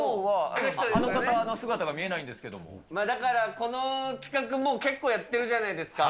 きょうはあの方の姿が見えなだから、この企画、もう結構やってるじゃないですか。